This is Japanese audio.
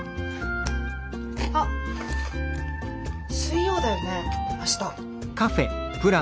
あっ水曜だよね明日。